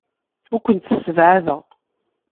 Ur kent-ssebɛadeɣ.